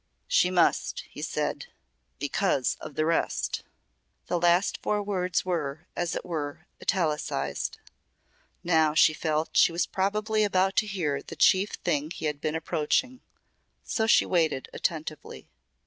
"She must," he said, "because of the rest." The last four words were, as it were, italicised. Now, she felt, she was probably about to hear the chief thing he had been approaching. So she waited attentively.